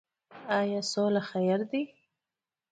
آیا سوله خیر ده؟